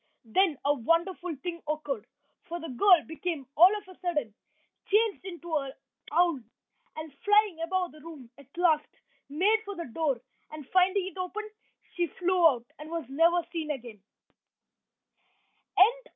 Then a wonderful thing occurred, for the girl became all of a sudden changed into an owl, and flying about the room, at last, made for the door, and, finding it open, she flew out and was never seen again.